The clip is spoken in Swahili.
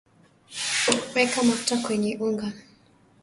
weka mafuta kwenye unga